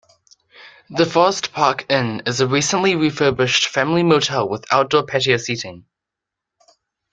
The Forest Park Inn is a recently refurbished family motel with outdoor patio seating.